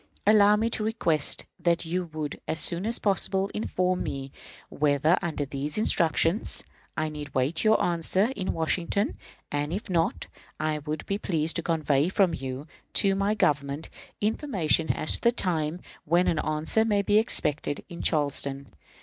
Allow me to request that you would, as soon as possible, inform me whether, under these instructions, I need await your answer in Washington; and, if not, I would be pleased to convey from you, to my government, information as to the time when an answer may be expected in Charleston.